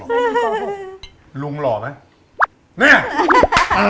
อันนี้คืออันนี้คือ